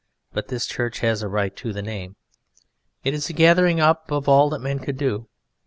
But this church has a right to the name. It is a gathering up of all that men could do.